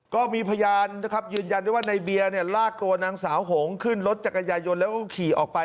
ก็มีพยานนะครับยืนยันได้ว่าในเบียร์เนี่ยลากตัวนางสาวหงขึ้นรถจักรยายนแล้วก็ขี่ออกไป